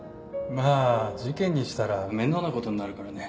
まあ事件にしたら面倒な事になるからね。